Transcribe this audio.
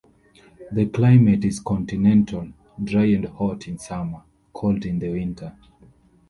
The climate is continental: dry and hot in summer, cold in the winter.